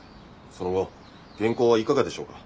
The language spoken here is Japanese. その後原稿はいかがでしょうか。